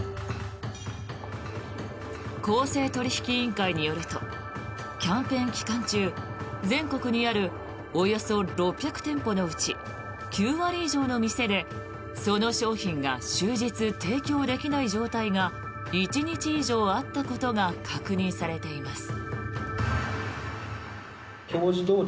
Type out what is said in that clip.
公正取引委員会によるとキャンペーン期間中全国にあるおよそ６００店舗のうち９割以上の店でその商品が終日提供できない状態が１日以上あったことが確認されています。